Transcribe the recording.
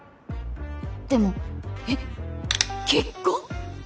でもえっ結婚！？